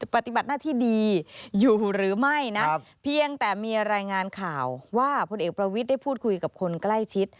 ปฏิบัติหน้าที่ดีอยู่หรือไม่นะเพียงแต่มีรายงานข่าวว่าพลเอกประวิทย์ได้พูดคุยกับคนใกล้ชิด